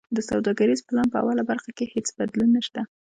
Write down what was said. د سوداګریز پلان په اوله برخه کی هیڅ بدلون نشته.